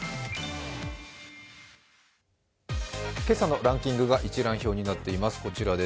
今朝のランキングが一覧表になっています。